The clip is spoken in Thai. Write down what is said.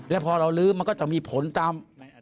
แล้วพอเราลื้อมันก็จะมีผลตาม